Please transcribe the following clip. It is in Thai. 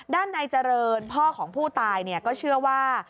ด้านในเจริญพ่อของผู้ตายก็เชื่อว่า